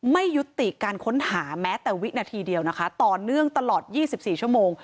ไม่ยุติการค้นหาแหมแต่วินาทีเดียวนะคะต่อเนื่องตลอดยี่สิบสี่ชมูง